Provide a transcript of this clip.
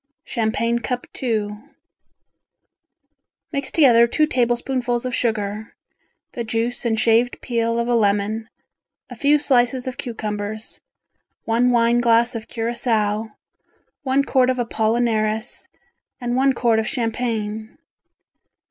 Champagne Cup II Mix together two tablespoonfuls of sugar, the juice and shaved peel of a lemon, a few slices of cucumbers, one wine glass of Curacao, one quart of apollinaris and one quart of champagne.